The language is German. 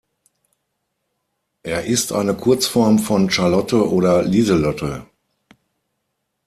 Er ist eine Kurzform von Charlotte oder Lieselotte.